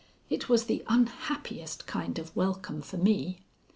It was the unhappiest kind of welcome for me.